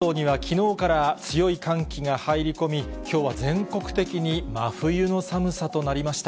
日本列島にはきのうから強い寒気が入り込み、きょうは全国的に真冬の寒さとなりました。